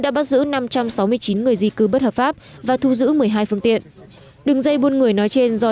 đã bắt giữ năm trăm sáu mươi chín người di cư bất hợp pháp và thu giữ một mươi hai phương tiện đường dây buôn người nói trên do